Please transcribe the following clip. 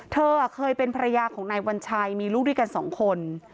เธอเคยเป็นภรรยาของนายวัญชัยมีลูกด้วยกันสองคน